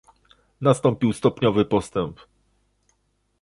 Nastąpił stopniowy postęp